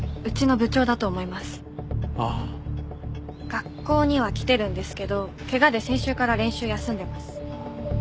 学校には来てるんですけど怪我で先週から練習休んでます。